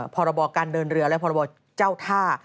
พรบการเดินเรือและพรบเจ้าท่า